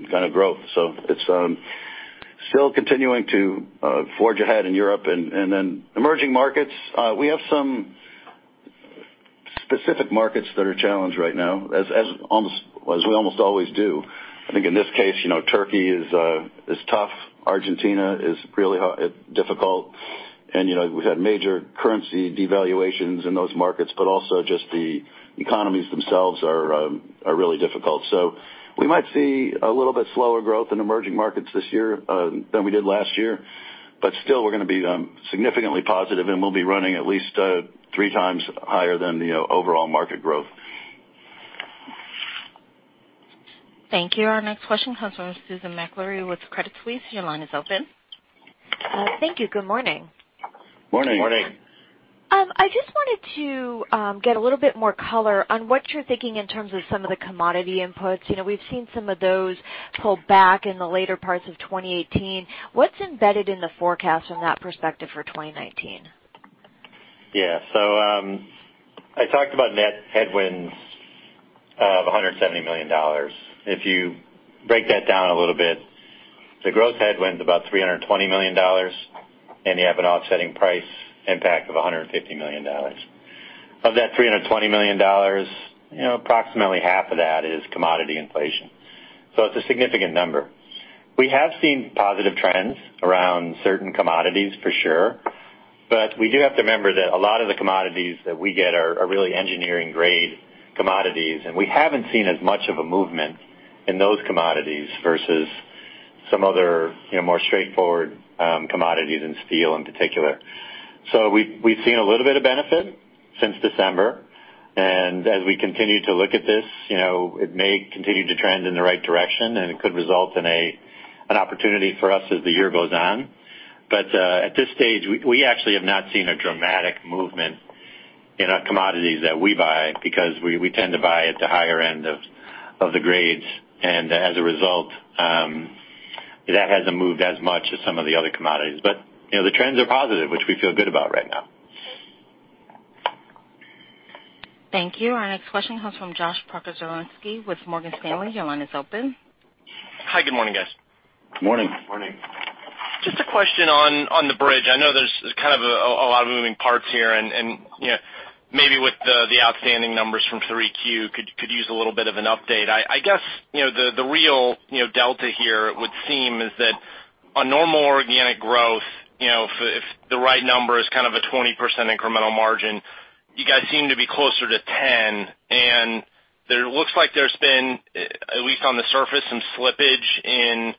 kind of growth. It's still continuing to forge ahead in Europe. Emerging markets, we have some specific markets that are challenged right now, as we almost always do. I think in this case, Turkey is tough. Argentina is really difficult. We've had major currency devaluations in those markets, but also just the economies themselves are really difficult. We might see a little bit slower growth in emerging markets this year than we did last year. Still, we're going to be significantly positive, and we'll be running at least three times higher than the overall market growth. Thank you. Our next question comes from Susan Maklari with Credit Suisse. Your line is open. Thank you. Good morning. Morning. Morning. I just wanted to get a little bit more color on what you're thinking in terms of some of the commodity inputs. We've seen some of those pull back in the later parts of 2018. What's embedded in the forecast from that perspective for 2019? Yeah. I talked about net headwinds of $170 million. If you break that down a little bit, the gross headwinds about $320 million, and you have an offsetting price impact of $150 million. Of that $320 million, approximately half of that is commodity inflation. It's a significant number. We have seen positive trends around certain commodities, for sure. We do have to remember that a lot of the commodities that we get are really engineering-grade commodities, and we haven't seen as much of a movement in those commodities versus some other more straightforward commodities in steel in particular. We've seen a little bit of benefit since December, and as we continue to look at this, it may continue to trend in the right direction, and it could result in an opportunity for us as the year goes on. At this stage, we actually have not seen a dramatic movement in our commodities that we buy, because we tend to buy at the higher end of the grades. As a result, that hasn't moved as much as some of the other commodities. The trends are positive, which we feel good about right now. Thank you. Our next question comes from Josh Pokrzywinski with Morgan Stanley. Your line is open. Hi, good morning, guys. Morning. Morning. Just a question on the bridge. I know there's kind of a lot of moving parts here, maybe with the outstanding numbers from 3Q, could use a little bit of an update. I guess the real delta here would seem is that a normal organic growth, if the right number is kind of a 20% incremental margin, you guys seem to be closer to 10%, and it looks like there's been, at least on the surface, some slippage in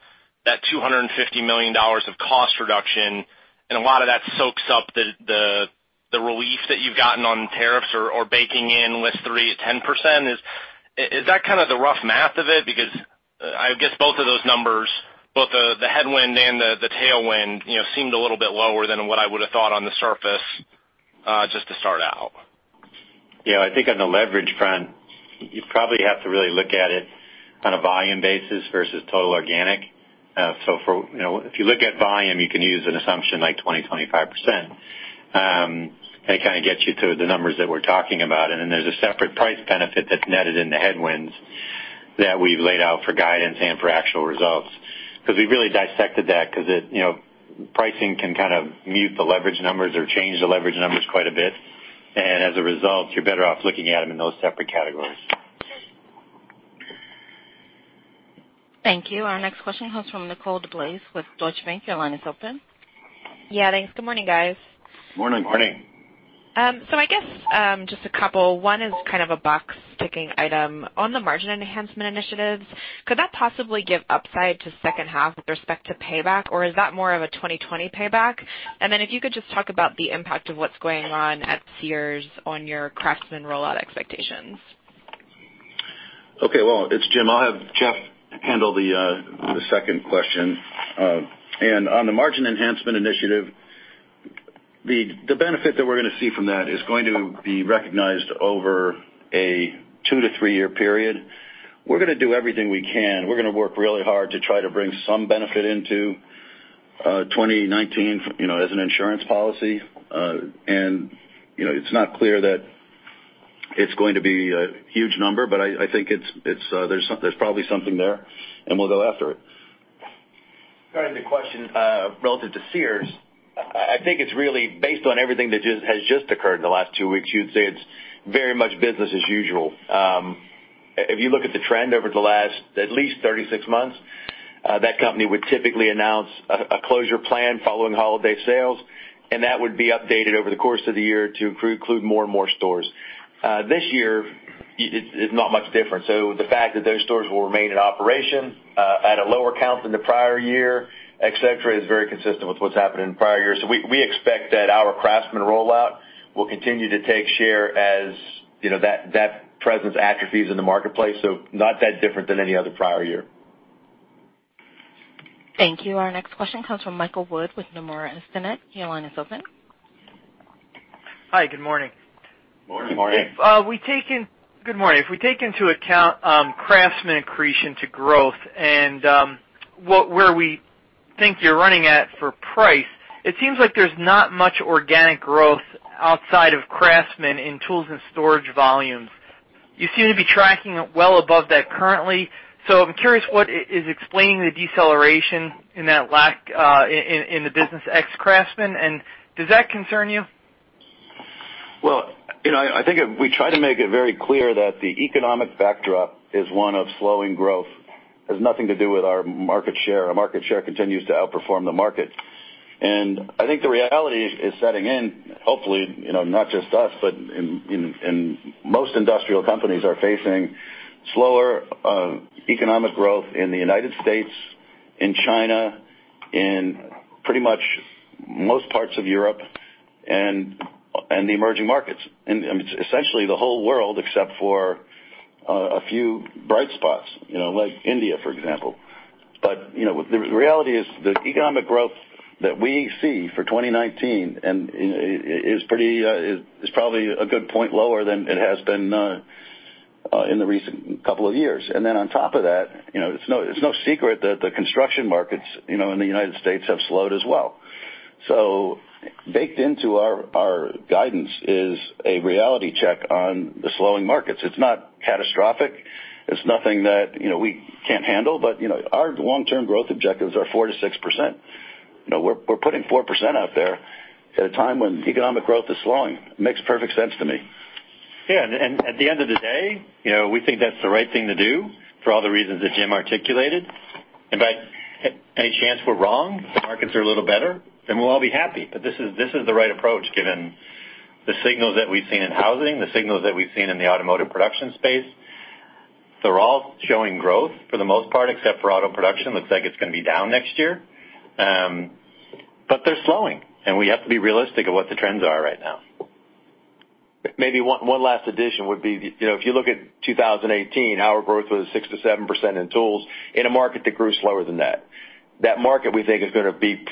that $250 million of cost reduction, a lot of that soaks up the relief that you've gotten on tariffs or baking in less than 3%-10%. Is that kind of the rough math of it? I guess both of those numbers, both the headwind and the tailwind, seemed a little bit lower than what I would've thought on the surface, just to start out. Yeah. I think on the leverage front, you probably have to really look at it on a volume basis versus total organic. If you look at volume, you can use an assumption like 20%-25%. They kind of get you to the numbers that we're talking about. Then there's a separate price benefit that's netted in the headwinds that we've laid out for guidance and for actual results. We've really dissected that, because pricing can kind of mute the leverage numbers or change the leverage numbers quite a bit. As a result, you're better off looking at them in those separate categories. Thank you. Our next question comes from Nicole DeBlase with Deutsche Bank. Your line is open. Yeah, thanks. Good morning, guys. Morning. Morning. I guess, just a couple. One is kind of a box-ticking item. On the margin enhancement initiatives, could that possibly give upside to second half with respect to payback, or is that more of a 2020 payback? Then if you could just talk about the impact of what's going on at Sears on your CRAFTSMAN rollout expectations. Okay. Well, it's Jim. I'll have Jeff handle the second question. On the margin enhancement initiative, the benefit that we're going to see from that is going to be recognized over a 2- to 3-year period. We're going to do everything we can. We're going to work really hard to try to bring some benefit into 2019 as an insurance policy. It's not clear that it's going to be a huge number, but I think there's probably something there, and we'll go after it. Regarding the question relative to Sears, I think it's really based on everything that has just occurred in the last 2 weeks, you'd say it's very much business as usual. If you look at the trend over the last at least 36 months, that company would typically announce a closure plan following holiday sales, and that would be updated over the course of the year to include more and more stores. This year, it's not much different. The fact that those stores will remain in operation at a lower count than the prior year, et cetera, is very consistent with what's happened in prior years. We expect that our CRAFTSMAN rollout will continue to take share as that presence atrophies in the marketplace, not that different than any other prior year. Thank you. Our next question comes from Michael Wood with Nomura Instinet. Your line is open. Hi, good morning. Morning. Morning. Good morning. If we take into account CRAFTSMAN accretion to growth and where we think you're running at for price, it seems like there's not much organic growth outside of CRAFTSMAN in tools and storage volumes. You seem to be tracking well above that currently. I'm curious what is explaining the deceleration in the business ex CRAFTSMAN, and does that concern you? Well, I think we try to make it very clear that the economic backdrop is one of slowing growth. It has nothing to do with our market share. Our market share continues to outperform the market. I think the reality is setting in, hopefully, not just us, but most industrial companies are facing slower economic growth in the U.S., in China, in pretty much most parts of Europe, and the emerging markets. I mean, it's essentially the whole world except for a few bright spots, like India, for example. The reality is the economic growth that we see for 2019 is probably a good point lower than it has been in the recent couple of years. Then on top of that, it's no secret that the construction markets in the U.S. have slowed as well. Baked into our guidance is a reality check on the slowing markets. It's not catastrophic. It's nothing that we can't handle. Our long-term growth objectives are 4%-6%. We're putting 4% out there at a time when economic growth is slowing. It makes perfect sense to me. Yeah, at the end of the day, we think that's the right thing to do for all the reasons that Jim articulated. By any chance we're wrong, the markets are a little better, then we'll all be happy. This is the right approach given the signals that we've seen in housing, the signals that we've seen in the automotive production space. They're all showing growth for the most part, except for auto production. Looks like it's going to be down next year. They're slowing, and we have to be realistic of what the trends are right now. Maybe one last addition would be, if you look at 2018, our growth was 6%-7% in tools in a market that grew slower than that. That market, we think, is gonna be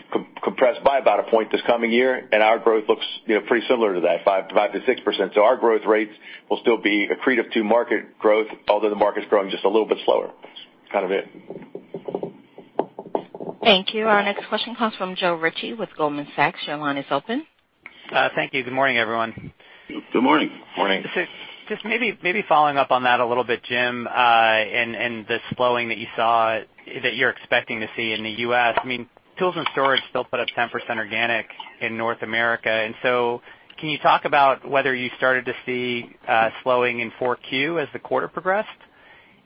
compressed by about a point this coming year, and our growth looks pretty similar to that, 5%-6%. Our growth rates will still be accretive to market growth, although the market's growing just a little bit slower. That's kind of it. Thank you. Our next question comes from Joe Ritchie with Goldman Sachs. Your line is open. Thank you. Good morning, everyone. Good morning. Good morning. Just maybe following up on that a little bit, Jim, and the slowing that you saw, that you're expecting to see in the U.S., Tools and Storage still put up 10% organic in North America. Can you talk about whether you started to see slowing in 4Q as the quarter progressed?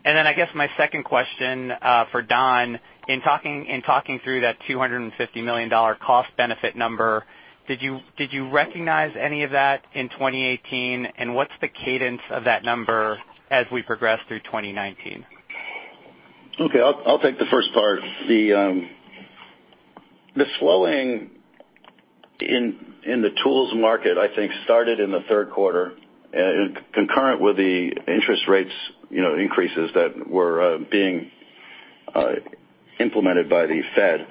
I guess my second question for Don, in talking through that $250 million cost benefit number, did you recognize any of that in 2018? What's the cadence of that number as we progress through 2019? Okay. I'll take the first part. The slowing in the tools market, I think, started in the third quarter, concurrent with the interest rates increases that were being implemented by the Fed.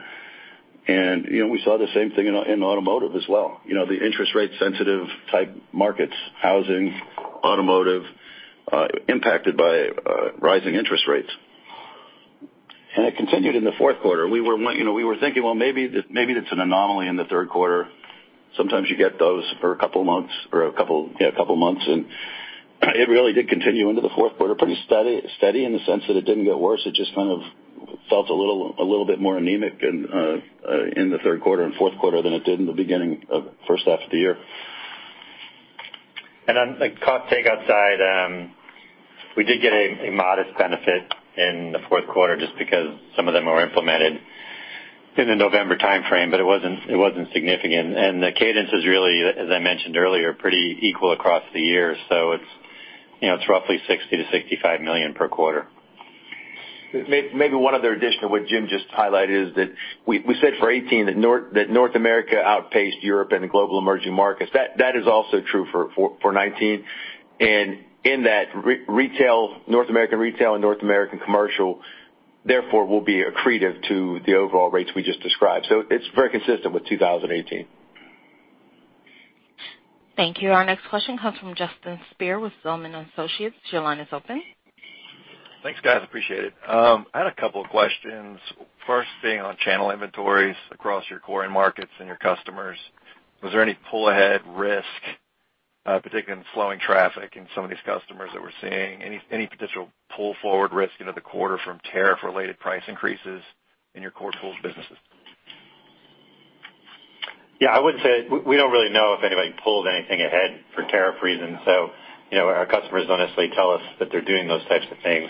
We saw the same thing in automotive as well. The interest rate sensitive type markets, housing, automotive, impacted by rising interest rates. It continued in the fourth quarter. We were thinking, well, maybe it's an anomaly in the third quarter. Sometimes you get those for a couple of months, it really did continue into the fourth quarter, pretty steady in the sense that it didn't get worse. It just kind of felt a little bit more anemic in the third quarter and fourth quarter than it did in the beginning of first half of the year. On the cost takeout side, we did get a modest benefit in the fourth quarter just because some of them were implemented in the November timeframe, it wasn't significant. The cadence is really, as I mentioned earlier, pretty equal across the year. It's roughly $60 million-$65 million per quarter. Maybe one other addition to what Jim just highlighted is that we said for 2018 that North America outpaced Europe and the global emerging markets. That is also true for 2019. In that, North American retail and North American commercial therefore will be accretive to the overall rates we just described. It's very consistent with 2018. Thank you. Our next question comes from Justin Speer with Zelman & Associates. Your line is open. Thanks, guys. Appreciate it. I had a couple of questions. First being on channel inventories across your core end markets and your customers, was there any pull ahead risk, particularly in slowing traffic in some of these customers that we're seeing? Any potential pull forward risk into the quarter from tariff related price increases in your core tools businesses? We don't really know if anybody pulled anything ahead for tariff reasons, our customers honestly tell us that they're doing those types of things.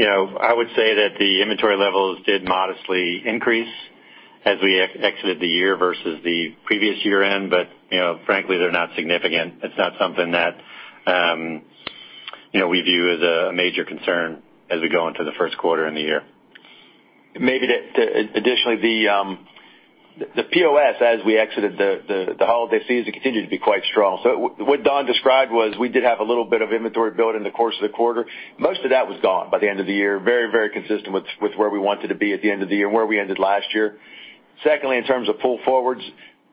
I would say that the inventory levels did modestly increase as we exited the year versus the previous year end, frankly, they're not significant. It's not something that we view as a major concern as we go into the first quarter in the year. Additionally, the POS as we exited the holiday season continued to be quite strong. What Don described was we did have a little bit of inventory build in the course of the quarter. Most of that was gone by the end of the year, very consistent with where we wanted to be at the end of the year, and where we ended last year. Secondly, in terms of pull forwards,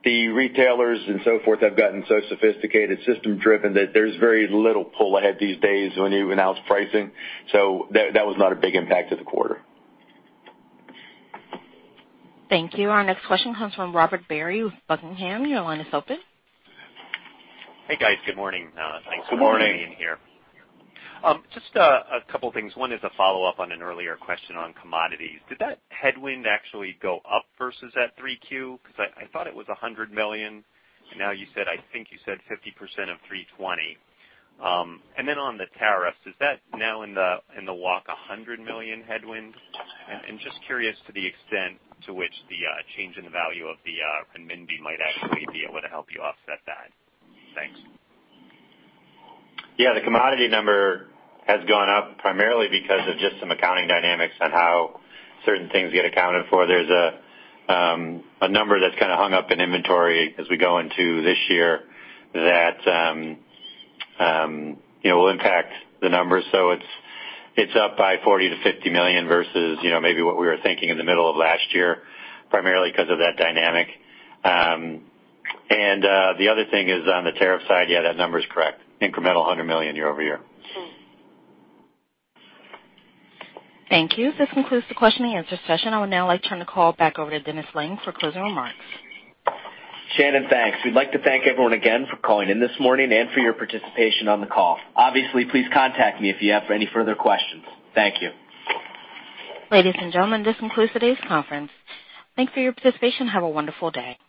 the retailers and so forth have gotten so sophisticated system-driven that there's very little pull ahead these days when you announce pricing. That was not a big impact to the quarter. Thank you. Our next question comes from Robert Barry with Buckingham. Your line is open. Hey, guys. Good morning. Good morning. Thanks for letting me in here. Just a couple of things. One is a follow-up on an earlier question on commodities. Did that headwind actually go up versus that 3Q? Because I thought it was $100 million, and now I think you said 50% of 320. On the tariffs, is that now in the walk, $100 million headwind? Just curious to the extent to which the change in the value of the renminbi might actually be able to help you offset that. Thanks. Yeah. The commodity number has gone up primarily because of just some accounting dynamics on how certain things get accounted for. There's a number that's kind of hung up in inventory as we go into this year that will impact the numbers. It's up by $40 million-$50 million versus maybe what we were thinking in the middle of last year, primarily because of that dynamic. On the tariff side, yeah, that number is correct. Incremental $100 million year-over-year. Thank you. This concludes the question and answer session. I would now like to turn the call back over to Dennis Lange for closing remarks. Shannon, thanks. We'd like to thank everyone again for calling in this morning and for your participation on the call. Obviously, please contact me if you have any further questions. Thank you. Ladies and gentlemen, this concludes today's conference. Thanks for your participation. Have a wonderful day.